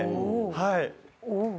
はい。